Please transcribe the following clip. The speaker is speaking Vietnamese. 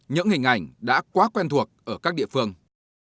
những hình ảnh đã quá quen thuộc ở các địa phương